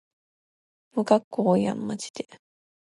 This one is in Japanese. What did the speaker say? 無加工やんまじで